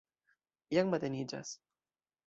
Jam mateniĝas.